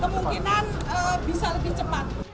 kita akan cepat